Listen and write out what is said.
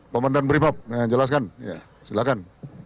komandan blimob jelaskan silakan